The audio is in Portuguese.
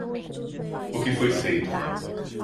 O que foi feito